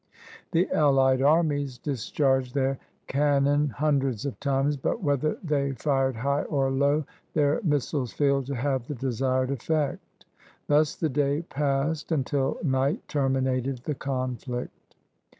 The allied armies discharged their cannon hundreds of times, but, whether they fired high or low, their missiles failed to have the desired effect. Thus the day passed until night terminated the conflict.